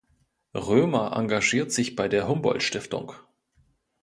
Römer engagiert sich bei der Humboldt-Stiftung.